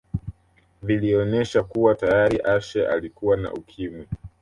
vilionesha kuwa tayari Ashe alikuwa na Ukimwi